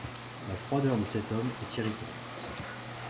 La froideur de cet homme est irritante.